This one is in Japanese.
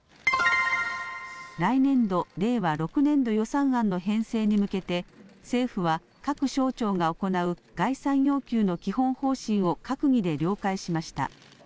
来年度、令和６年度予算案の編成に向けて政府は各省庁が行う概算要求の基本方針を閣議で了解しました。